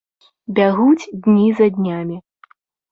Бягуць дні за днямі.